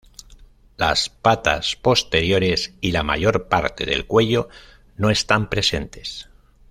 Las patas posteriores y la mayor parte del cuello no están presentes.